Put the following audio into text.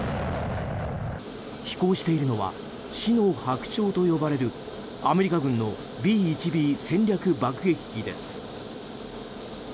飛行しているのは死の白鳥と呼ばれるアメリカ軍のＢ１Ｂ戦略爆撃機です。